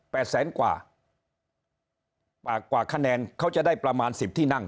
แสนกว่าปากกว่าคะแนนเขาจะได้ประมาณสิบที่นั่ง